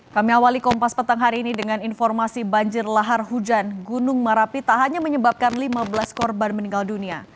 kami awali kompas petang hari ini dengan informasi banjir lahar hujan gunung merapi tak hanya menyebabkan lima belas korban meninggal dunia